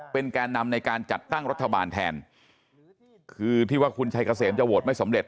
เป็นแก่นำในการจัดตั้งรัฐบาลแทนคือที่ว่าคุณชัยเกษมจะโหวตไม่สำเร็